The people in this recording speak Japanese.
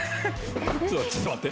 ちょっと待って。